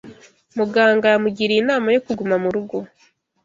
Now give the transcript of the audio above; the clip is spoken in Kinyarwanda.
Muganga yamugiriye inama yo kuguma murugo.